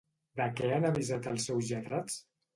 De què han avisat els seus lletrats?